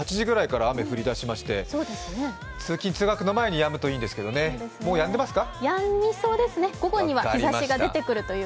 昨日は東京、夜８時くらいから雨、降り始めまして通勤・通学の前にやむといいんですけどね、もうやみますか？